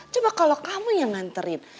coba kalau kamu yang nganterin